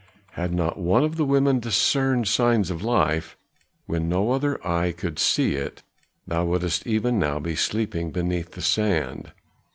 Had not one of the women discerned signs of life, when no other eye could see it, thou wouldst even now be sleeping beneath the sand."